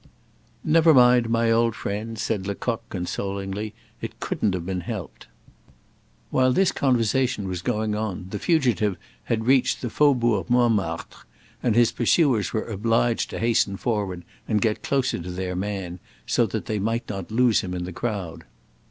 "Never mind, my old friend," said Lecoq, consolingly; "it couldn't have been helped." While this conversation was going on, the fugitive had reached the Faubourg Montmartre, and his pursuers were obliged to hasten forward and get closer to their man, so that they might not lose him in the crowd.